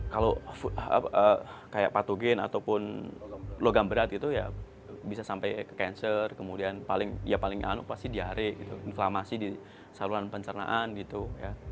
kalau kayak patogen ataupun logam berat gitu ya bisa sampai ke cancer kemudian ya paling anu pasti diare gitu inflamasi di saluran pencernaan gitu ya